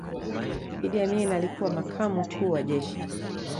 iddi amin alikuwa makamu mkuu wa jeshi